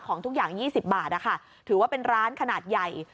ทุกอย่าง๒๐บาทถือว่าเป็นร้านขนาดใหญ่